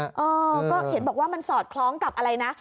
เออก็เห็นบอกว่ามันสอดคล้องกับอะไรนะ